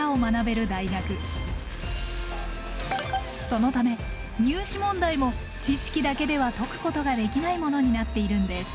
そのため入試問題も知識だけでは解くことができないものになっているんです。